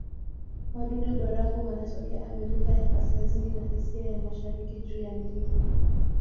Wadudu-barafu wanatokea Amerika ya Kaskazini na Asia ya Mashariki juu ya milima.